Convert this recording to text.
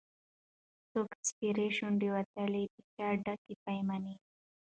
څوک سپېرې شونډي وتلي د چا ډکي پیمانې دي